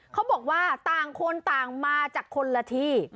เขาบอกว่าต่างคนต่างมาจากคนละที่